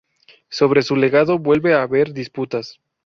Sobre su legado vuelve a haber disputas.